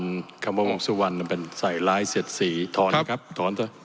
คำวงสุวรรณเป็นใส่ร้ายเสียดสีถอนนะครับถอนเถอะ